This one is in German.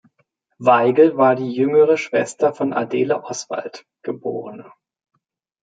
Weigel war die jüngere Schwester von Adele Oswald geb.